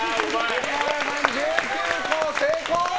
栗原さん、１９個成功！